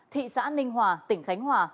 thị xã ninh hòa tỉnh khánh hòa